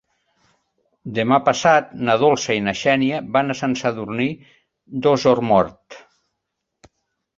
Demà passat na Dolça i na Xènia van a Sant Sadurní d'Osormort.